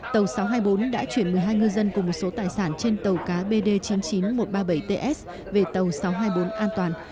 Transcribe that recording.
tàu sáu trăm hai mươi bốn đã chuyển một mươi hai ngư dân cùng một số tài sản trên tàu cá bd chín mươi chín nghìn một trăm ba mươi bảy ts về tàu sáu trăm hai mươi bốn an toàn